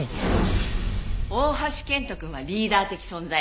大橋剣人くんはリーダー的存在。